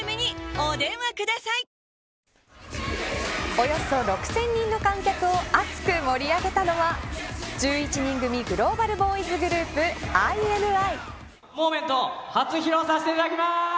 およそ６０００人の観客を熱く盛り上げたのは１１人組グローバルボーイズグループＩＮＩ。